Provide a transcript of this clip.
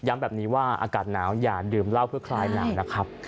แบบนี้ว่าอากาศหนาวอย่าดื่มเหล้าเพื่อคลายหนาวนะครับ